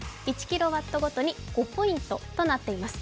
１キロワットごとに５ポイントとなっています。